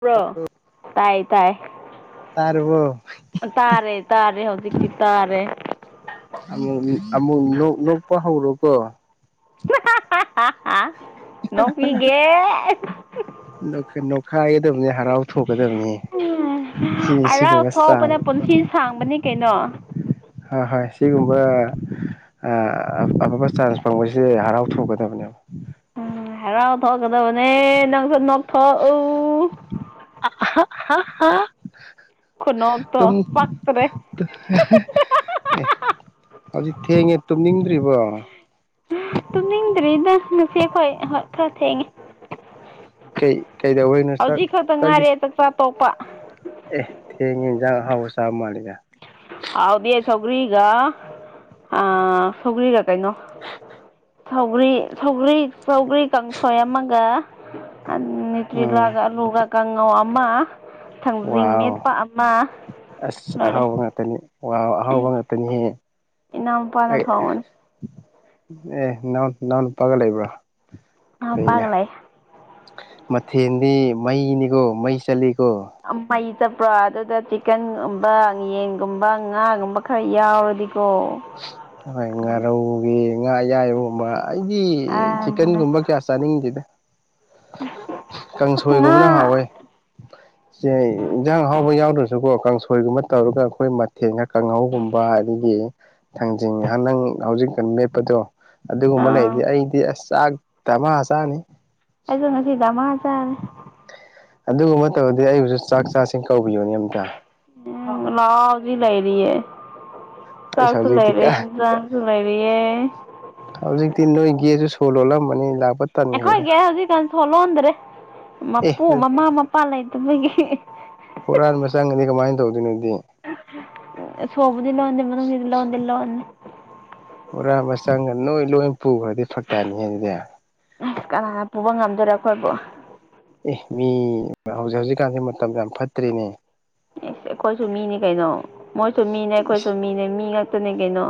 bro ꯇꯥꯏ ꯇꯥꯏ ꯇꯥꯔꯕꯣ ꯇꯥꯔꯦ ꯇꯥꯔꯦ ꯍꯧꯖꯤꯛꯇꯤ ꯇꯥꯔꯦ ꯑꯃꯨꯛ ꯅꯣꯛꯄ ꯍꯧꯔꯣ ꯀꯣ ꯅꯣꯛꯄꯤꯒꯦ ꯅꯣꯛꯠꯅꯣꯈꯥꯏꯒꯗꯕꯅꯤ ꯍꯔꯥꯎꯊꯣꯛꯒꯗꯕꯅꯤ [unintelligible] ꯆꯥꯡ ꯁꯤ ꯁꯥꯡꯕꯅꯦ ꯀꯩꯅꯣ ꯍꯣꯏ ꯍꯣꯏ ꯁꯤꯒꯨꯝꯕ ꯑꯐꯕ ꯆꯥꯟꯁ ꯐꯪꯕꯁꯦ ꯍꯔꯥꯎꯊꯣꯡꯒꯗꯕꯅꯦꯕ ꯎꯝ ꯍꯔꯥꯎ ꯊꯣꯛꯀꯗꯕꯅꯦ ꯅꯪꯁꯨ ꯅꯣꯛꯊꯣꯛꯎ ꯑ ꯍꯥ ꯍꯥ ꯍꯥ ꯍꯥ ꯈꯨꯅꯣꯛꯇꯣ ꯇꯨꯝ ꯄꯛꯇ꯭ꯔꯦ ꯍꯧꯖꯤꯛ ꯊꯦꯡꯉꯦ ꯇꯨꯝꯅꯤꯡꯗ꯭ꯔꯤꯕꯣ ꯇꯨꯝꯅꯤꯡꯗ꯭ꯔꯤꯗ ꯉꯁꯤ ꯑꯈꯣꯏ ꯍꯣꯏ ꯈꯔ ꯊꯦꯡꯉꯦ ꯀꯩ ꯀꯩꯗꯧꯕꯩꯅꯣ ꯍꯧꯖꯤꯛ ꯈꯛꯇ ꯉꯥꯏꯔꯦ [unintelligible] ꯆꯥꯛꯆꯥ ꯇꯣꯛꯄ ꯑꯦ ꯊꯦꯡꯉꯦ ꯏꯟꯁꯥꯡ ꯑꯍꯥꯎꯕ ꯆꯥꯕ ꯃꯥꯜꯂꯦ ꯍꯥꯎꯗꯤ ꯁꯧꯒ꯭ꯔꯤꯒ ꯑꯥ ꯁꯧꯒ꯭ꯔꯤꯒ ꯀꯩꯅꯣ ꯁꯧꯒꯔꯤ ꯁꯧꯒꯔꯤ ꯁꯧꯒ꯭ꯔꯤ ꯀꯥꯡꯁꯣꯏ ꯑꯃꯒ ꯎꯝ ꯅꯨꯇ꯭ꯔꯤꯂꯒ ꯀꯥꯡꯍꯧ ꯑꯃꯒ ꯊꯥꯡꯖꯤꯡ ꯃꯦꯠꯄ ꯋꯥꯎ ꯑꯃ ꯑꯁ ꯂꯣꯏꯔꯦ ꯑꯍꯥꯎꯕ ꯉꯥꯛꯇꯅꯤ ꯋꯥ ꯑꯍꯥꯎꯕ ꯉꯥꯛꯇꯅꯤꯍꯦ ꯏꯅꯥꯎ ꯅꯨꯄꯥꯅ ꯑꯩ ꯊꯣꯡꯕꯅꯦ ꯑꯦ ꯅꯅꯥꯎ ꯅꯅꯥꯎꯅꯨꯄꯥꯒ ꯂꯩꯕꯔ ꯃꯥꯃꯥ ꯃꯄꯥꯒ ꯂꯩꯌꯦ ꯃꯊꯦꯟꯗꯤ ꯃꯩꯅꯤꯒꯣ ꯃꯩ ꯆꯠꯂꯤ ꯑꯥ ꯃꯩ ꯆꯠꯄ꯭ꯔꯣ ꯑꯗꯨꯗ ꯆꯤꯛꯀꯟꯒꯨꯝꯕ ꯌꯦꯟꯒꯨꯝꯕ ꯉꯥꯒꯨꯝꯕ ꯈꯔ ꯌꯥꯎꯔꯗꯤ [inaudible] ꯍꯣꯏ ꯉꯥꯔꯧꯒꯤ ꯉꯥ ꯑꯌꯥꯏꯕꯒꯨꯝꯕ ꯑꯩꯗꯤ ꯑꯗꯨꯅꯦ ꯆꯤꯛꯀꯟꯒꯨꯝꯕ ꯀꯌꯥ ꯆꯥꯅꯤꯡꯗꯦꯗ ꯑꯁ ꯉꯥ ꯀꯥꯡꯁꯣꯏꯒꯨꯝꯕꯅ ꯍꯥꯎꯋꯦ ꯁꯦ ꯏꯟꯖꯥꯡ ꯑꯍꯥꯎꯕ ꯌꯥꯎꯗ꯭ꯔꯁꯨꯀꯣ ꯀꯥꯡꯁꯣꯏꯒꯨꯝꯕ ꯇꯧꯔꯒ ꯑꯈꯣꯏ ꯃꯊꯦꯟ ꯀꯥꯡꯍꯧꯒꯨꯝꯕ ꯑꯗꯒꯤ ꯊꯥꯡꯖꯅꯤꯡꯉ ꯅꯪ ꯍꯧꯖꯤꯛꯀ ꯂꯦꯞꯄꯗꯣ ꯑꯗꯨꯒꯨꯝꯕ ꯑꯥ ꯂꯩꯗꯤ ꯑꯩꯗꯤ ꯑꯁ ꯆꯥꯛ ꯗꯥꯃ ꯆꯥꯅꯤ ꯑꯩꯁꯨ ꯉꯁꯤ ꯗꯥꯃ ꯆꯥꯏ ꯑꯗꯨꯒꯨꯝꯕ ꯇꯧꯔꯗꯤ ꯑꯩꯕꯨꯁꯨ ꯆꯥꯛ ꯆꯥꯁꯤꯡ ꯀꯧꯕꯤꯌꯣꯅꯦ ꯑꯝꯇ ꯎꯝ ꯂꯥꯛꯑꯣ ꯍꯧꯖꯤꯛ ꯂꯩꯔꯤꯌꯦ ꯑꯩꯁ ꯁꯥꯥꯛꯁꯨ ꯍꯧꯖꯤꯛꯇꯤ ꯂꯩꯥꯏꯔꯤ ꯀꯥꯏ ꯏꯟꯁꯥꯡꯁꯨ ꯂꯩꯥꯏꯔꯤꯌꯦ ꯍꯧꯖꯤꯛꯇꯤ ꯅꯣꯏ ꯒꯦꯁꯨ ꯁꯣ ꯂꯣꯜꯂꯝꯃꯅꯤ ꯂ ꯑꯩꯈꯣꯏꯒꯤ ꯍꯧꯖꯤꯛꯀꯥꯟ ꯁꯣ ꯂꯣꯟꯗ꯭ꯔꯦ ꯑꯦ ꯃꯄꯨ ꯃꯃꯥ ꯃꯄꯥ ꯂꯩꯇꯕꯒꯤ ꯍꯨꯔꯥꯟꯕ ꯆꯪꯉꯗꯤ ꯀꯃꯥꯏꯅ ꯇꯧꯗꯣꯏꯅꯣꯗꯤ ꯁꯣꯕꯨꯗꯤ ꯂꯣꯟꯗꯦ ꯃꯅꯨꯡꯒꯤꯗꯤ ꯂꯣꯟꯗꯤ ꯂꯣꯟꯅꯤ ꯍꯨꯔꯥꯝꯕ ꯆꯪꯒ ꯅꯣꯏ ꯂꯣꯏ ꯄꯨꯈ꯭ꯔꯗꯤ ꯐꯔꯛꯇꯅꯤ ꯍꯥꯏ ꯑꯗꯨꯗꯤ ꯑ ꯀꯅꯥꯅ ꯄꯨꯕ ꯉꯝ ꯑꯦ ꯃꯤ ꯍꯧꯖꯤꯛ ꯍꯧꯖꯤꯛꯀꯥꯟꯁꯦ ꯃꯇꯝꯁ ꯌꯥꯝ ꯐꯠꯇ꯭ꯔꯦꯅꯦ ꯑꯦ ꯑꯩꯈꯣꯏꯁꯨ ꯃꯤꯅꯦ ꯀꯩꯅꯣ ꯃꯣꯏꯁꯨ ꯃꯤꯅꯦ ꯏꯁ ꯑꯩꯈꯣꯏꯁꯨ ꯃꯤꯅꯦ ꯃꯤ ꯉꯥꯛꯛꯇꯅꯦ ꯀꯩꯅꯣ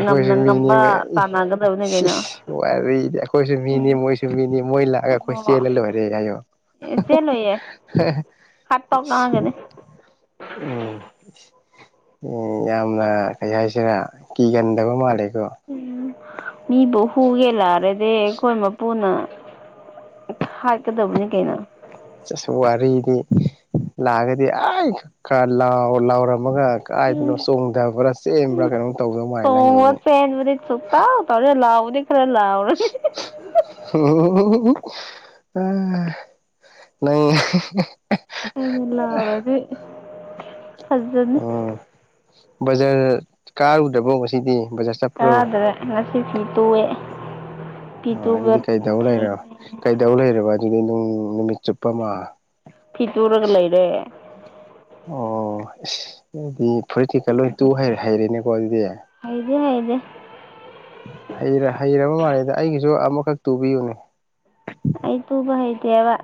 ꯉꯝꯅ ꯉꯝꯕ ꯇꯥꯟꯅꯒ ꯁꯤ ꯏꯁ ꯋꯥꯔꯤꯗꯤ ꯑꯩꯈꯣꯏꯁꯨ ꯃꯤꯅꯤ ꯃꯣꯏꯁꯨ ꯃꯤꯅꯤ ꯑꯦ ꯑꯈꯣꯏ ꯆꯦꯜꯂ ꯂꯣꯢꯔꯦ ꯀꯥꯏꯌꯣ ꯑꯦ ꯆꯦꯂꯣꯏꯌꯦ ꯍꯥꯠ ꯇ ꯏꯁ ꯉꯥꯡꯒꯅꯤ ꯎꯝ ꯌꯥꯝꯅ ꯀꯩ ꯍꯥꯏꯁꯤꯔꯥ ꯀꯤꯒꯟꯗꯕ ꯃꯥꯜꯂꯦꯀꯣ ꯎꯝ ꯃꯤꯕꯨ ꯍꯨꯒꯦ ꯂꯥꯛꯔꯗꯤ ꯑꯩꯈꯣꯏ ꯃꯄꯨꯅ ꯍꯥꯠ ꯀꯗꯕꯅꯤ ꯀꯩꯅꯣ ꯆꯁꯨ ꯋꯥꯔꯤꯒꯨ ꯂꯥꯛꯑꯒꯗꯤ ꯑꯩ ꯈꯔ ꯂꯥꯎ ꯂꯥꯎꯔ ꯃꯪꯒꯥ ꯀꯥꯏꯗꯩꯅꯣ ꯆꯣꯡꯊꯕ꯭ꯔꯥ ꯆꯦꯟꯕ꯭ꯔꯥ ꯀꯩꯅꯣꯝ ꯇꯧꯗꯧ ꯃꯥꯥꯂꯦ ꯅꯪꯉꯤꯁꯤꯗꯤ ꯆꯦ ꯆꯣꯞꯄ ꯇꯔꯦ ꯑꯣ ꯑꯪ ꯅꯪ ꯑ ꯂꯥꯛꯔꯗꯤ ꯐꯖꯅꯤ ꯎꯝ ꯕꯖꯥꯔ ꯀꯥꯔꯨꯗ꯭ꯔꯕꯣ ꯉꯁꯤꯗꯤ ꯕꯖꯥꯔ ꯆꯠꯄ꯭ꯔꯣ ꯀꯥꯗ꯭ꯔꯦ ꯉꯁꯤꯗꯤ ꯇꯣꯑꯦ ꯑ ꯑꯗꯨꯗꯤ ꯀꯩꯗꯧ ꯂꯩꯔꯕ ꯊꯦꯡꯉꯦ ꯀꯩꯗꯧ ꯂꯩꯔꯕ ꯑꯗꯨꯗꯤ ꯅꯨꯡ ꯅꯨꯃꯤꯠ ꯆꯨꯞꯄ ꯑꯃ ꯐꯤ ꯇꯨꯔꯒ ꯂꯩꯔꯦ ꯑꯣ ꯏꯁ ꯑꯗꯨꯗꯤ ꯐꯨꯔꯤꯀꯩꯀꯥ ꯂꯣꯢ ꯇꯨ ꯍꯩꯔꯦ ꯍꯩꯔꯦꯅꯦꯀꯣ ꯑꯗꯨꯗꯤ ꯍꯩꯗꯤ ꯍꯩꯗꯦ ꯍꯩ ꯍꯩꯔꯕ ꯃꯥꯜꯂꯦꯗ ꯑꯩꯒꯤꯁꯨ ꯑꯃꯈꯛ ꯇꯨꯕꯤꯌꯨꯅꯦ ꯀꯦꯑꯕ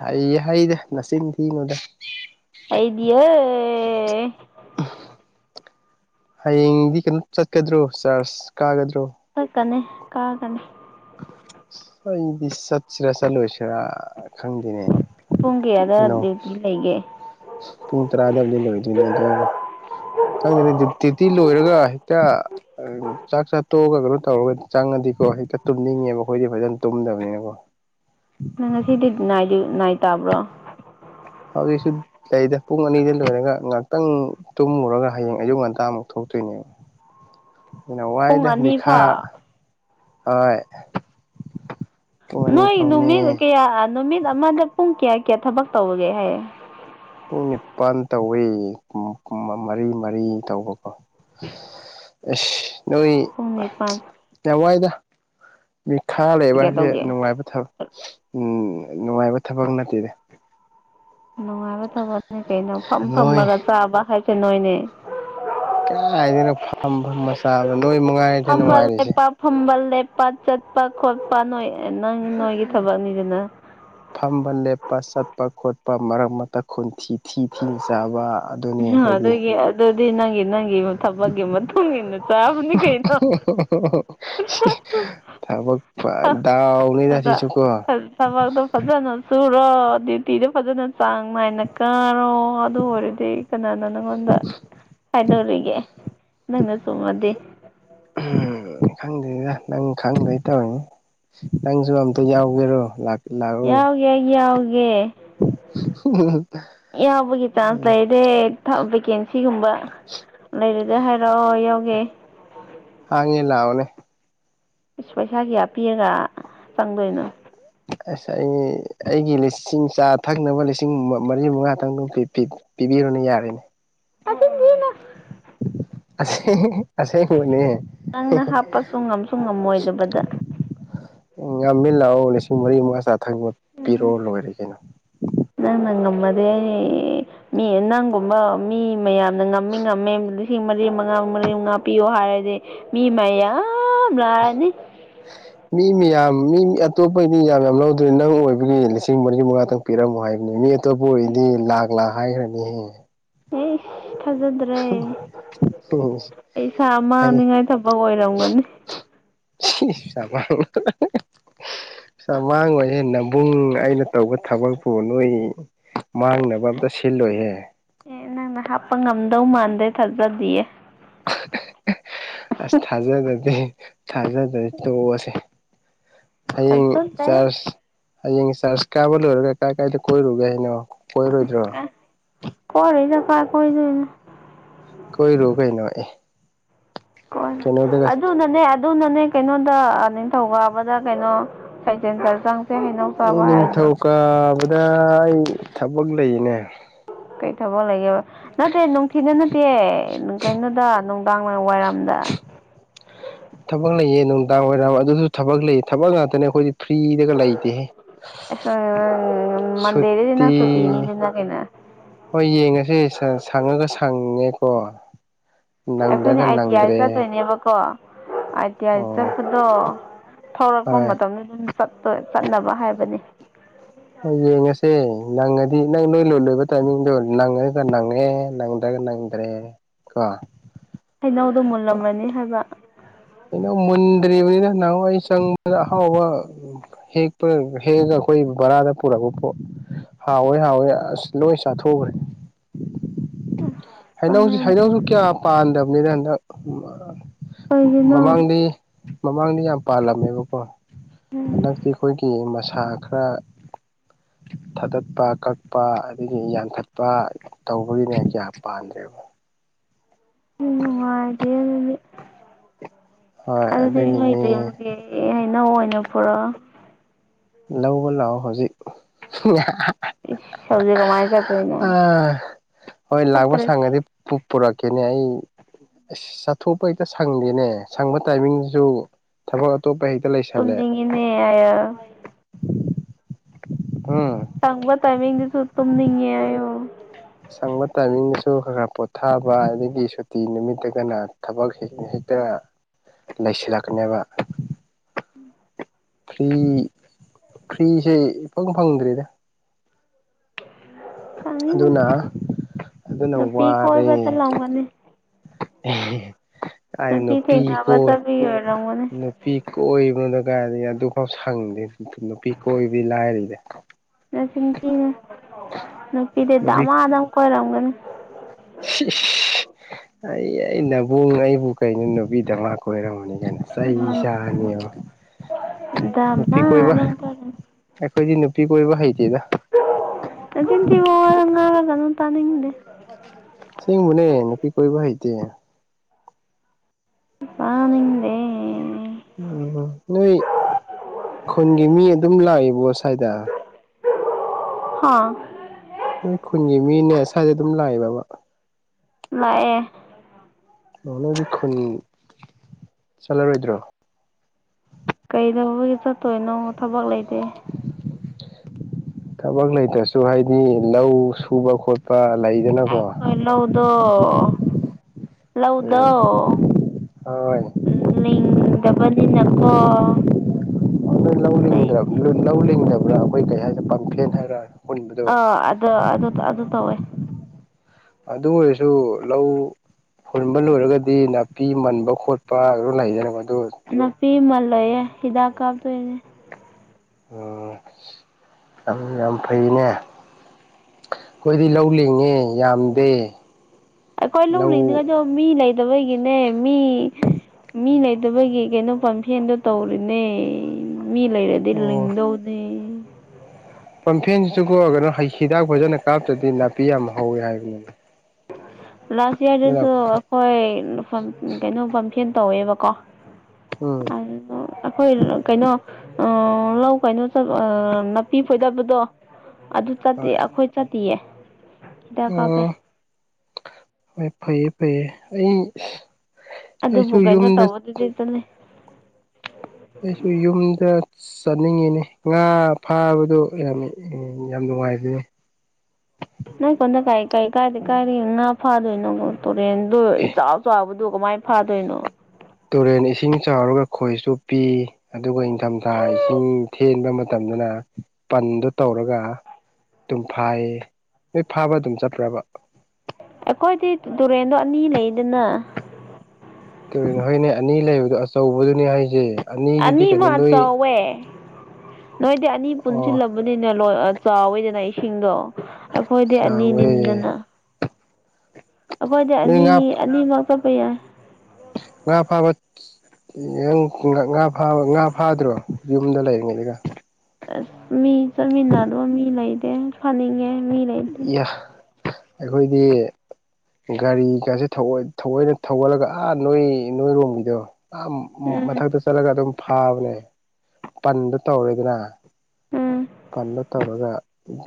ꯍꯩꯑꯦ ꯍꯩꯗ ꯅꯆꯤꯟ ꯊꯤꯅꯨꯗ ꯍꯩꯗꯤꯌꯦ ꯍꯌꯦꯡꯗꯤ ꯀꯩꯅꯣ ꯆꯠꯀꯗ꯭ꯔꯣ ꯆꯥꯔꯖ ꯀꯥꯒꯗ ꯍ ꯀꯅꯦ ꯀꯥꯒꯅꯤ ꯈꯪꯗꯦ ꯆꯠꯁꯤꯔ ꯆꯠꯂꯣꯢꯁꯤꯔ ꯈꯪꯗꯦꯅꯦ ꯄꯨꯡ ꯀꯌꯥꯗ ꯏꯅꯥꯎꯁ ꯗ꯭ꯌꯨꯇꯤ ꯂꯩꯒꯦ ꯄꯨꯡ ꯇꯔꯥꯗꯕꯨꯗꯤ ꯉꯥꯢꯗꯣꯏꯅꯦ ꯑꯗꯣ ꯈꯪꯗꯦꯅꯦ ꯗꯌꯨꯇꯤ ꯁꯤ ꯂꯣꯏꯔꯒ ꯍꯦꯛꯇ ꯆꯥꯛ ꯆꯥ ꯇꯣꯛꯑꯒ ꯀꯩꯅꯣ ꯇꯧꯔꯒ ꯆꯪꯉꯗꯤꯀꯣ ꯍꯦꯛꯇ ꯇꯨꯝꯅꯤꯡꯉꯦꯕꯀꯣ ꯑꯩꯈꯣꯏꯗꯤ ꯐꯖꯅ ꯇꯨꯝꯗꯕꯅꯤꯅꯀꯣ ꯅꯪ ꯉꯁꯤꯗꯤ ꯅꯥꯏ ꯅꯥꯢꯠ ꯇꯥꯕ꯭ꯔꯣ ꯍꯧꯖꯤꯛꯁꯨ ꯂꯩꯗ ꯄꯨꯡ ꯑꯅꯤꯗ ꯂꯣꯏꯔꯒ ꯉꯍꯥꯛꯇꯪ ꯇꯨꯝꯃꯨꯔꯒ ꯍꯌꯦꯡ ꯑꯌꯨꯛ ꯉꯟꯇꯥꯃꯨꯛ ꯊꯣꯛ ꯇꯨꯢꯅꯦ [inaudible] ꯑꯗꯨꯅ ꯄꯨꯡ ꯋꯥꯏꯗ ꯑꯅꯤ ꯃꯤꯈꯥ ꯐꯥꯎ ꯍꯣꯏ ꯄꯨꯡ ꯑꯅꯤ ꯅꯣꯏ ꯐꯥꯎꯅꯦ ꯅꯨꯃꯤꯠ ꯀꯌꯥ ꯅꯨꯃꯤꯠ ꯑꯃꯗ ꯄꯨꯡ ꯀꯌꯥ ꯀꯌꯥ ꯊꯕꯛ ꯇꯧꯕꯒꯦ ꯍꯦ ꯄꯨꯡ ꯅꯤꯄꯥꯜ ꯇꯧꯋꯦ ꯑꯝ ꯑꯝ ꯃꯔꯤ ꯃꯔꯤ ꯇꯧꯕꯀꯣ [inaudible] ꯑꯁ ꯅꯣꯏ ꯄꯨꯡ ꯅꯤꯄꯥꯟ ꯌꯥꯝ ꯋꯥꯏꯗ ꯃꯤꯈꯥ ꯂꯩꯕ ꯀꯌꯥ ꯍꯥꯏꯁꯦ ꯇꯧꯒꯦ ꯅꯨꯡꯉꯥꯏꯕ ꯊꯕ ꯎꯝ ꯅꯨꯡꯉꯥꯏꯕ ꯊꯕꯛ ꯅꯠꯇꯦꯅꯦ ꯅꯨꯡꯉꯥꯏꯕ ꯊꯕꯛꯅꯦ ꯀꯩꯅꯣ ꯐꯝ ꯅꯣꯏ ꯐꯝꯃꯒ ꯆꯥꯕ ꯍꯥꯏꯁꯦ ꯅꯣꯏꯅꯦ ꯀꯥꯏꯗꯩꯅꯣ ꯐꯝ ꯐꯝ ꯆꯥꯕ ꯐꯝꯕ ꯂꯦꯞꯄ ꯐꯝꯕ ꯂꯦꯞꯄ ꯄ ꯆꯠꯄ ꯈꯣꯠꯄ ꯅꯣꯏ ꯅꯪ ꯅꯣꯏꯒꯤ ꯊꯕꯛꯅꯤꯗꯅ ꯐꯝꯕ ꯂꯦꯞꯄ ꯆꯠꯄ ꯈꯣꯠꯄ ꯃꯔꯛ ꯃꯔꯛꯇ ꯈꯣꯟꯊꯤ ꯊꯤ ꯊꯤꯅ ꯆꯥꯕ ꯑꯗꯨꯅꯤ ꯑꯈꯣꯏꯗꯤ ꯑꯗꯨꯒꯤ ꯑꯗꯨꯗꯤ ꯅꯪꯒꯤ ꯅꯪꯒꯤ ꯊꯕꯛꯀꯤ ꯃꯇꯨꯡ ꯏꯟꯅ ꯆꯥꯕꯅꯤ ꯀꯩꯅꯣ ꯊꯕꯛ ꯍꯥ ꯗꯥꯎꯅꯤꯗ ꯁꯤꯁꯨꯀꯣ ꯊꯕꯛꯇꯣ ꯐꯖꯅ ꯁꯨꯔꯣ ꯗ꯭ꯌꯨꯇꯤꯗ ꯐꯖꯅ ꯆꯥꯡ ꯅꯥꯏꯅ ꯀꯥꯔꯣ ꯑꯗꯨ ꯑꯣꯏꯔꯗꯤ ꯀꯅꯥꯅ ꯅꯪꯉꯣꯟꯗ ꯍꯥꯏꯗꯧꯔꯤꯒꯦ ꯅꯪꯅ ꯆꯨꯝꯃꯗꯤ ꯎꯝ ꯈꯪꯗꯦꯗ ꯅꯪ ꯈꯪꯗꯦ ꯇꯧꯅꯦ ꯅꯪꯁꯨ ꯑꯝꯇ ꯌꯥꯎꯒꯦꯔꯣ ꯂꯥꯛꯎ ꯌꯥꯎꯒꯦ ꯑꯩꯁꯨ ꯌꯥꯎꯒꯦ ꯌꯥꯎꯕꯒꯤ ꯆꯥꯡꯁ ꯂꯩꯗꯦ ꯊꯕꯛ ꯚꯦꯀꯦꯟꯁꯤꯒꯨꯝꯕ ꯂꯩꯔꯒ ꯍꯥꯏꯔꯛꯑꯣ ꯌꯥꯎꯒꯦ ꯍꯥꯡꯉꯦ ꯂꯥꯛꯑꯣꯅꯦ ꯑꯁ ꯄꯩꯁꯥ ꯀꯌꯥ ꯄꯤꯔꯒ ꯆꯪꯗꯣꯏꯅꯣ ꯑꯁ ꯑꯩ ꯑꯩꯒꯤ ꯂꯤꯁꯤꯡ ꯆꯥ ꯊꯛꯅꯕ ꯂꯤꯁꯤꯡ ꯃꯔꯤ ꯃꯉꯥꯇꯪ ꯑꯗꯨ ꯄꯤꯌꯨꯅꯦ ꯌꯥꯔꯦꯅꯦ [unintelligible] ꯑꯁ ꯍꯦꯍꯦ ꯑꯁꯦꯡꯕꯅꯦ ꯅꯪꯅ ꯍꯥꯞꯄꯁꯨ ꯉꯝꯁꯨ ꯉꯝꯃꯣꯏꯗꯕꯗ ꯌꯥꯝꯃꯤ ꯂꯥꯛꯑꯣ ꯂꯤꯁꯤꯡ ꯃꯔꯤ ꯃꯉꯥ ꯆꯥꯊꯛꯕ ꯄꯤꯔꯣ ꯎꯝ ꯂꯣꯏꯔꯦ ꯀꯩꯅꯣ ꯅꯪꯅ ꯉꯝꯃꯗꯤ ꯑꯩ ꯃꯤ ꯅꯪꯒꯨꯝꯕ ꯃꯤ ꯃꯌꯥꯝꯅ ꯉꯝꯃꯤ ꯉꯝꯃꯤ ꯂꯤꯁꯤꯡ ꯃꯔꯤ ꯃꯉꯥ ꯉꯥꯛꯄꯤꯌꯣ ꯍꯥꯏꯔꯗꯤ ꯃꯤ ꯃꯌꯥꯝ ꯂꯥꯛꯑꯅꯤ ꯃꯤ ꯃꯌꯥꯝ ꯃꯤ ꯑꯇꯣꯞꯄ ꯃꯤ ꯌꯥꯝ ꯌꯥꯝ ꯂꯧꯗ꯭ꯔꯦ ꯅꯪ ꯑꯣꯏꯕꯒꯤ ꯂꯤꯁꯤꯡ ꯃꯔꯤ ꯃꯉꯥꯇꯪ ꯄꯤꯔꯝꯃꯣ ꯍꯥꯏꯕꯅꯤ ꯃꯤ ꯑꯇꯣꯞꯄꯔꯤꯗꯤ ꯂꯥꯛ ꯂꯥꯛ ꯍꯥꯏꯈ꯭ꯔꯅꯤꯍꯦ ꯑꯦ ꯊꯥꯖꯗ꯭ꯔꯦ ꯄꯩꯁꯥ ꯍꯩ ꯃꯥꯡꯅꯤꯡꯉꯥꯏ ꯊꯕꯛ ꯑꯣꯏꯔꯝꯒꯅꯤ [inaudible] ꯄꯩꯁꯥ ꯃꯥꯡꯑꯣꯏꯍꯦ ꯅꯕꯨꯡ ꯑꯩꯅ ꯇꯧꯕ ꯊꯕꯛ ꯄꯨ ꯅꯣꯏ ꯃꯥꯡꯅꯕ ꯑꯝꯇ ꯁꯤꯜꯂꯣꯏꯍꯦ ꯑꯦ ꯅꯪꯅ ꯍꯥꯞꯄ ꯉꯝꯗꯧ ꯃꯥꯟꯗꯦ ꯊꯥꯖꯗꯤꯌꯦ [inaudible] ꯑꯁ ꯊꯥꯖꯗꯗꯤ ꯊꯥꯖꯗꯗꯤ ꯇꯣꯛꯑꯣꯁꯦ ꯍꯌꯦꯡ ꯊꯥꯖꯗꯦ ꯆꯥꯔꯁꯤ ꯍꯌꯦꯡ ꯆꯥꯔꯖ ꯀꯥꯕ ꯂꯣꯏꯔꯒ ꯀꯥꯏ ꯀꯥꯏꯗ ꯀꯣꯏꯔꯨꯒꯦ ꯍꯥꯏꯅꯣ ꯀꯣꯏꯔꯣꯏꯗ꯭ꯔꯣ ꯀꯣꯏꯔꯣꯏꯗ ꯀꯥꯏ ꯀꯣꯏꯗꯣꯏꯅꯣ ꯀꯣꯏꯔꯣ ꯀꯩꯅꯣ ꯑꯦ ꯀꯣꯏ ꯀꯩꯅꯣꯗꯨꯗ ꯑꯗꯨꯅꯅꯦ ꯑꯗꯨꯅꯅꯦ ꯀꯩꯅꯣꯗ ꯅꯤꯡꯊꯧ ꯀꯥꯕꯗ ꯀꯩꯅꯣ ꯁꯩꯊꯦꯟ ꯆꯔꯁ ꯆꯪ ꯑꯩ ꯅꯤꯡꯊꯧꯀꯥꯕꯗ ꯑꯩ ꯊꯕꯛ ꯂꯩꯅꯦ ꯀꯩ ꯊꯕꯛꯂꯩꯒꯦꯕ ꯅꯠꯇꯦ ꯅꯨꯡꯊꯤꯟꯗ ꯅꯠꯇꯦ ꯀꯩꯅꯣꯗ ꯅꯨꯡ ꯅꯨꯡꯗꯥꯡ ꯋꯥꯏꯔꯝꯗ ꯊꯕꯛ ꯂꯩꯌꯦ ꯅꯨꯡꯗꯥꯡ ꯋꯥꯏꯔꯝ ꯑꯗꯨꯁꯨ ꯊꯕꯛ ꯂꯩ ꯊꯕꯛ ꯉꯥꯛꯇꯅꯦ ꯑꯈꯣꯏꯗꯤ ꯐ꯭ꯔꯤꯗꯒ ꯂꯩꯇꯦꯍꯦ ꯃꯟꯗꯦꯗꯗꯤ ꯁꯨꯇꯤ ꯅꯪ ꯁꯨꯇꯤꯅꯤꯗꯅ ꯀꯩꯅꯣ ꯍꯣꯏ ꯌꯦꯡꯉꯁꯦ ꯁꯪꯉꯒ ꯁꯪꯉꯦꯀꯣ ꯑꯩꯈꯣꯏꯅꯦ ꯅꯪꯗꯒ ꯑꯥꯏ ꯇꯤ ꯑꯥꯔ ꯅꯪꯗ꯭ꯔꯦ ꯆꯠꯇꯣꯏꯅꯦꯕꯀꯣ ꯑꯥꯏ ꯇꯤ ꯌꯥꯏ ꯑꯣ ꯆꯠꯄꯗꯣ ꯊꯧꯔꯛꯄ ꯍꯣꯏ ꯃꯇꯝ ꯑꯗꯨꯝ ꯆꯠꯇꯣꯏ ꯆꯠꯅꯕ ꯍꯥꯏꯕꯅꯤ ꯍꯣꯏ ꯌꯦꯉꯁꯦ ꯅꯪꯉꯗꯤ ꯅꯪ ꯅꯣꯏ ꯂꯣ ꯂꯣꯏꯅꯕ ꯇꯥꯏꯃꯤꯡꯗꯣ ꯅꯪꯉꯒ ꯅꯪꯉꯦ ꯅꯪꯗ꯭ꯔꯒ ꯅꯪꯗ꯭ꯔꯦ ꯀꯣ ꯍꯩꯅꯧꯗꯣ ꯃꯨꯜꯂꯝꯃꯅꯤ ꯍꯥꯏꯕ ꯅꯪꯥꯟ ꯑꯩ ꯆꯪꯕꯗ ꯑꯍꯥꯎꯕ ꯍꯦꯛꯄ ꯍꯦꯛꯑꯒ ꯑꯈꯣꯏ ꯕꯔꯥꯗ ꯄꯨꯔꯛꯄ ꯄꯣ ꯍꯥꯎꯋꯦ ꯍꯥꯎꯋꯦ ꯑꯁ ꯂꯣꯏ ꯆꯥꯊꯣꯛꯎꯈ꯭ꯔꯦ [inaudible] ꯍꯩꯅꯧꯁꯤ ꯍꯩꯅꯧꯁꯨ ꯀꯌꯥ ꯄꯥꯟꯗꯕꯅꯤꯅ ꯍꯟꯗꯛ ꯀꯩꯒꯤꯅꯣ ꯃꯃꯥꯡꯗꯤ ꯃꯃꯥꯡꯗ ꯌꯥꯝ ꯄꯥꯜꯂꯝꯃꯦꯕꯀꯣ ꯍꯟꯗꯛꯇꯤ ꯑꯈꯣꯏꯒꯤ ꯃꯁꯥ ꯈꯔ ꯊꯥꯗꯠꯄ ꯀꯛꯄ ꯑꯗꯒꯤ ꯌꯥꯟꯊꯠꯄ ꯇꯧꯕꯒꯤꯅꯦ ꯀꯌꯥ ꯄꯥꯟꯗ꯭ꯔꯦ ꯎꯝ ꯅꯨꯡꯉꯥꯏꯇꯦ ꯑꯗꯨꯗꯤ ꯍꯣꯏ ꯑꯗꯨꯗꯤ ꯅꯣꯏ ꯑꯗꯨꯒꯤꯅꯦ ꯕꯦꯝꯒꯤ ꯍꯩꯅꯧ ꯑꯣꯏꯅ ꯄꯨꯔꯛ ꯂꯧꯕ ꯂꯥꯛꯑꯣ ꯍꯧꯖꯤꯛ ꯏꯁ ꯍꯧꯖꯤꯛ ꯀꯃꯥꯏꯅ ꯆꯠꯇꯣꯏꯅꯣ ꯑꯥ ꯍꯣꯏ ꯂꯥꯛꯄ ꯐꯠꯇ꯭ꯔꯦ ꯁꯥꯉꯗꯤ ꯄꯨꯔꯛ ꯀꯦꯅꯦ ꯑꯩ ꯑꯁ ꯆꯠꯊꯣꯛꯄ ꯍꯦꯛꯇ ꯁꯪꯗꯦꯅꯦ ꯁꯪꯕ ꯇꯥꯏꯃꯤꯡꯗꯨꯁꯨ ꯊꯕꯛ ꯑꯇꯣꯞꯄ ꯍꯦꯛꯇ ꯂꯩꯁꯜꯂꯦ ꯇꯨꯝꯅꯤꯡꯉꯤꯅꯦ ꯑꯌꯣ ꯎꯝ ꯁꯪꯕ ꯇꯥꯝꯃꯤꯡ ꯗꯨꯁꯨ ꯇꯨꯝꯅꯤꯉꯦ ꯍꯥꯏꯌꯣ ꯁꯪꯕ ꯇꯥꯏꯃꯤꯡꯗꯁꯨ ꯈꯔ ꯈꯔ ꯄꯣꯊꯥꯕ ꯑꯗꯒꯤ ꯁꯨꯇꯤ ꯅꯨꯃꯤꯠꯇꯒꯅ ꯊꯕꯛ ꯍꯦꯛ ꯈꯔ ꯅꯩꯁꯤꯜꯂꯛꯀꯅꯦꯕ ꯐ꯭ꯔꯤ ꯐ꯭ꯔꯤꯁꯦ ꯏꯐꯪ ꯐꯪꯗ꯭꯭ꯔꯦꯗ ꯑꯗꯨꯅ ꯑꯗꯨꯅ ꯅꯨꯄꯤ ꯋꯥꯔꯦ ꯀꯣꯏꯕ ꯆꯠꯂꯝꯒꯅꯤ ꯑꯩ ꯅꯨꯄꯤ ꯊꯦꯡꯅꯕ ꯀꯣꯏ ꯆꯠꯄꯒꯤ ꯑꯣꯏꯔꯝꯒꯅꯤ ꯅꯨꯄꯤ ꯀꯣꯏꯕꯗ ꯀꯥꯏꯗꯩꯅꯣꯐꯝ ꯑꯗꯨꯐꯥꯎ ꯁꯪꯗꯦ ꯅꯨꯄꯤ ꯀꯣꯏꯕꯗꯤ ꯂꯥꯏꯔꯤꯗ ꯅꯆꯤꯟ ꯊꯤꯒꯅꯨ ꯅꯨꯄꯤꯗ ꯅꯨꯄꯤ ꯗꯥꯃꯗꯃ ꯀꯣꯏꯔꯝꯒꯅꯤ ꯑꯩ ꯑꯩ ꯅꯕꯨꯡ ꯑꯩꯕꯨ ꯀꯩꯅꯣ ꯅꯨꯄꯤꯗꯃ ꯀꯣꯏꯔꯝꯃꯅꯤ ꯆꯩ ꯆꯥꯅꯤꯕ ꯅꯨꯄꯤ ꯀꯣꯏꯕ ꯗꯃꯥꯗꯝ ꯀꯣꯏꯔꯝ ꯑꯈꯣꯗꯤ ꯅꯨꯄꯤ ꯀꯣꯏꯕ ꯍꯩ ꯅꯆꯤꯟ ꯊꯤꯕ ꯋꯥ ꯉꯥꯡꯂꯛꯀꯅꯨ ꯇꯥꯅꯤꯡꯗꯦ ꯁꯦꯡꯕꯅꯦ ꯅꯨꯄꯤ ꯀꯣꯏꯕ ꯍꯩꯇꯦ ꯇꯅꯤꯡꯗꯦ ꯎꯝ ꯅꯣꯏ ꯈꯨꯟꯒꯤ ꯃꯤ ꯑꯗꯨꯝ ꯂꯥꯛꯏꯕꯣ ꯁ꯭ꯋꯥꯏꯗ ꯍꯥꯥ ꯅꯣꯏ ꯈꯨꯟꯒꯤ ꯃꯤꯅꯦ ꯁ꯭ꯋꯥꯏꯗꯦ ꯑꯗꯨꯝ ꯂꯥꯛꯏꯔꯕ ꯂꯥꯛꯑꯦ ꯅꯣꯏ ꯈꯨꯟ ꯆꯠꯂꯔꯣꯏꯗ꯭ꯔꯣ ꯀꯩꯗꯧꯕꯒꯤ ꯆꯠꯇꯣꯏꯅꯣ ꯊꯕꯛ ꯂꯩꯇꯦ ꯊꯕꯛ ꯂꯩꯇ꯭ꯔꯁꯨ ꯍꯥꯏꯗꯤ ꯂꯧ ꯁꯨꯕ ꯈꯣꯠꯄ ꯂꯩꯗꯅꯀꯣ ꯍꯩꯅꯧꯗꯣ ꯂꯧꯗꯣ ꯎꯝ ꯍꯣꯏ ꯂꯤꯡꯗꯕꯅꯤꯅ ꯀꯣ ꯅꯣꯏ ꯂꯧꯂꯤꯡꯗ꯭ꯔꯕ ꯂꯧ ꯂꯤꯡꯗꯕ꯭ꯔꯥ ꯑꯈꯣꯏ ꯀꯩ ꯍꯥꯏꯁꯦ ꯄꯥꯐꯦꯟ ꯍꯥꯏꯔꯦ ꯑꯥ ꯑꯗꯨ ꯑꯗꯨ ꯑꯗꯨ ꯇꯧꯋꯦ ꯑꯗꯨ ꯑꯣꯏꯔꯁꯨ ꯂꯧ ꯍꯨꯟꯕ ꯂꯣꯏꯔꯒꯗꯤ ꯅꯥꯄꯤ ꯃꯟꯕ ꯈꯣꯠꯄ ꯑꯗꯨꯝ ꯂꯣꯏꯖꯔꯝꯒꯅꯤ ꯅꯥꯄꯤ ꯑꯃ ꯂꯩꯌꯦ ꯍꯤꯗꯥꯛ ꯀꯥꯞꯇꯣꯏꯅꯦ ꯎꯝ ꯌꯥꯝ ꯌꯥꯝ ꯐꯩꯅꯦ ꯈꯣꯏꯗꯤ ꯂꯧ ꯂꯤꯡꯉꯦ ꯌꯥꯝꯗꯦ ꯑꯈꯣꯏ ꯂꯧ ꯂꯤꯡꯅꯤꯡꯉꯥꯏꯗꯣ ꯃꯤ ꯂꯩꯇꯕꯒꯤꯅꯦ ꯃꯤ ꯃꯤ ꯂꯩꯇꯕꯒꯤ ꯀꯩꯅꯣ ꯄꯥꯝꯐꯦꯟꯗꯣ ꯇꯧꯔꯤꯅꯦ ꯃꯤ ꯂꯩꯔꯗꯤ ꯑꯣ ꯂꯤꯡꯗꯧꯅꯦ ꯄꯝꯐꯦꯟꯁꯤ ꯆꯨ ꯀꯣꯛꯑꯒꯅꯨ ꯍꯤꯗꯥꯛ ꯐꯖꯅ ꯀꯥꯞꯇ꯭ꯔꯗꯤ ꯅꯥꯄꯤ ꯌꯥꯝ ꯍꯧꯋꯦ ꯍꯥꯏꯕꯅꯤꯅ ꯂꯥꯁ ꯏꯌꯥꯔꯗꯁꯨ ꯑꯩꯈꯣꯏ ꯀꯩꯅꯣ ꯄꯝꯐꯦꯟ ꯇꯧꯋꯦꯕꯀꯣ ꯎꯝ ꯑꯗꯨ ꯑꯈꯣꯏ ꯀꯩꯅꯣ ꯑꯥ ꯂꯧ ꯀꯩꯅꯣꯠ ꯅꯥꯄꯤ ꯐꯣꯏꯗꯕꯗꯣ ꯑꯗꯨ ꯆꯠꯇ ꯍꯣꯏ ꯑꯈꯣꯏ ꯆꯠꯇꯤꯌꯦ ꯍꯤꯗꯥꯛ ꯀꯥꯞꯄꯦ ꯑꯣ ꯐꯩꯌꯦ ꯐꯩꯌꯦ ꯑꯩ ꯑꯗꯨꯕꯨ ꯑꯩꯁꯨ ꯀꯩꯅꯣ ꯌꯨꯝꯗ ꯇꯧꯕꯗꯨꯗꯤ ꯆꯠꯂꯦ ꯑꯩꯁꯨ ꯌꯨꯝꯗ ꯆꯠꯅꯤꯡꯉꯤꯅꯦ ꯉꯥ ꯐꯥꯕꯗꯣ ꯌꯥꯝ ꯌꯥꯝ ꯅꯨꯡꯉꯥꯏꯕꯅꯦ [inaudible] ꯅꯪ ꯀꯣꯟꯗ ꯀꯥꯏ ꯀꯥꯏ ꯀꯥꯏꯗ ꯀꯥꯏꯔꯦ ꯉꯥ ꯐꯥꯗꯣꯏꯅꯣ ꯇꯨꯔꯦꯟꯗ ꯑꯦ ꯏꯆꯥꯎ ꯑꯗꯨ ꯀꯃꯥꯏꯅ ꯐꯥꯗꯣꯏꯅꯣ ꯇꯨꯔꯦꯟ ꯏꯁꯤꯡ ꯆꯥꯎꯔꯒ ꯈꯣꯏ ꯆꯣꯞꯄꯤ ꯑꯗꯨꯒ ꯏꯊꯝꯊꯥ ꯏꯁꯤꯡ ꯊꯦꯟꯕ ꯃꯇꯝ ꯃꯇꯝꯗꯅ ꯄꯟꯗꯣ ꯇꯧꯔꯒ ꯑꯗꯨꯝ ꯐꯥꯏꯌꯦ ꯅꯣꯏ ꯐꯥꯕ ꯑꯗꯨꯝ ꯆꯠꯄ꯭ꯔꯕ ꯑꯩꯈꯣꯏꯗꯤ ꯇꯨꯔꯦꯟꯗꯣ ꯑꯅꯤ ꯂꯩꯗꯅ ꯅꯣꯏꯅꯦ ꯑꯅꯤ ꯂꯩꯕꯗꯣ ꯑꯆꯧꯕꯗꯨꯅꯤ ꯍꯥꯏꯖꯩ ꯑꯅꯤꯃ ꯆꯧꯋꯦ ꯅꯣꯏꯗꯤ ꯑꯅꯤ ꯑꯣ ꯄꯨꯟꯁꯤꯜꯂꯕꯅꯤꯅ ꯂꯣꯏ ꯆꯥꯎꯋꯦꯗꯅ ꯑꯩ ꯁꯤꯡꯗꯣ ꯑꯈꯣꯏꯗꯤ ꯆꯥꯎꯋꯦ ꯑꯅꯤꯅꯤꯗꯅ ꯑꯈꯣꯏꯗꯤ ꯅꯣꯏ ꯑꯅꯤ ꯉꯥ ꯑꯅꯤꯃꯛ ꯆꯠꯄ ꯌꯥꯏ ꯉꯥ ꯐꯥꯕ ꯪ ꯉꯥꯥꯕ ꯉꯥ ꯐꯥꯗ꯭ꯔꯣ ꯌꯨꯝꯗ ꯂꯩꯔꯤꯉꯩꯗꯒ ꯑ ꯃꯤ ꯆꯠꯃꯤꯟꯅ ꯑꯗꯨꯕ ꯃꯤ ꯂꯩꯗꯦ ꯐꯅꯤꯡꯉꯦ ꯃꯤ ꯂꯩꯇꯦ ꯑꯈꯣꯏꯗꯤ ꯒꯥꯔꯤꯒꯥꯁꯦ ꯊꯑꯣꯏꯅ ꯊꯧꯒꯜꯂꯒ ꯑꯥ ꯅꯣꯏ ꯅꯣꯏꯔꯣꯝꯒꯤꯗꯣ ꯑꯥ ꯎꯝ ꯃꯊꯛꯇ ꯆꯠꯂꯒ ꯑꯗꯨꯝ ꯐꯥꯕꯅꯦ ꯄꯟꯗ ꯇꯧꯔꯦꯗꯅ ꯎꯝ ꯄꯟꯕ ꯇꯧꯔꯒ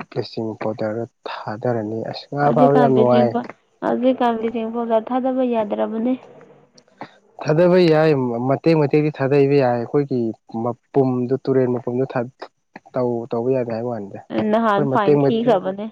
ꯕ꯭ꯂꯤꯆꯤꯡ ꯄꯥꯎꯗꯔꯒ ꯊꯥꯗꯔꯅꯤ ꯑꯁ ꯉꯥ ꯍꯧꯖꯤꯛ ꯐꯥꯕ ꯌꯥꯝ ꯀꯥꯟꯁꯤꯗꯤ ꯅꯨꯡꯉꯥꯏ ꯚꯣꯠ ꯀ ꯍꯧꯖꯤꯛ ꯀꯥꯟꯁꯤꯗꯤ ꯚꯣꯠ ꯊꯥꯗꯕ ꯌꯥꯗ꯭ꯔꯕꯅꯦ ꯊꯥꯗꯕ ꯌꯥꯏ ꯃꯇꯦꯛ ꯃꯇꯦꯛꯗꯤ ꯊꯥꯗꯩꯕ ꯌꯥꯏ ꯑꯩꯈꯣꯏꯒꯤ ꯃꯄꯨꯝꯗꯨ ꯇꯨꯔꯦꯟ ꯃꯄꯨꯝꯗꯨ ꯇꯧ ꯇꯧꯕ ꯌꯥꯗꯥ ꯍꯥꯏꯕ ꯋꯥꯥꯅꯤꯗꯦ ꯅꯍꯥꯟ ꯐꯥꯏꯟ ꯊꯤꯈ꯭ꯔꯕꯅꯦ